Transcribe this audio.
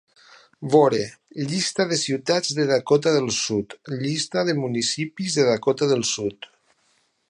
Veure: llista de ciutats de Dakota del Sud, llista de municipisde Dakota del Sud.